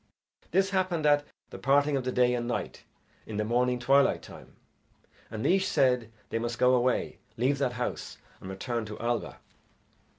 This happened at the parting of the day and night in the morning twilight time, and Naois said they must go away, leave that house, and return to Alba.